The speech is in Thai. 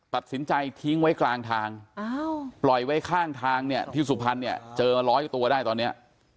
ตัดสินใจทิ้งไว้กลางทางปล่อยไว้ข้างทางเนี่ยที่สุพรรณเนี่ยเจอร้อยตัวได้ตอนนี้